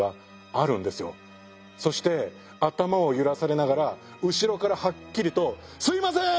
そして頭を揺らされながら後ろからはっきりと「すいません！